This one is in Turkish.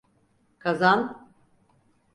Kazan…